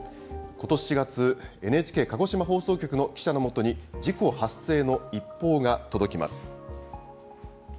ことし４月、ＮＨＫ鹿児島放送局の記者のもとに事故発生の一報が届きます。